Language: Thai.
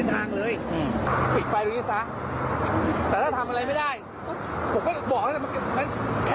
ผมพูดไปก็รถจำเป็นจะต้องเปิดงั้นก็เปิด